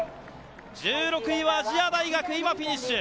１６位は亜細亜大学、今フィニッシュ。